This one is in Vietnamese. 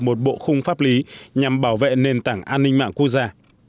một bộ khung pháp lý nhằm bảo vệ nền tảng an ninh mạng quốc gia